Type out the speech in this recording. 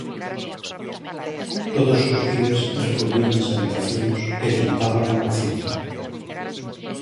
Todos os días recollían as habitacións e limpaban a cociña.